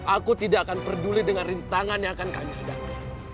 aku tidak akan peduli dengan rintangan yang akan kami hadapi